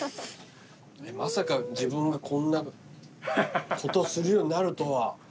まさか自分がこんなことするようになるとは。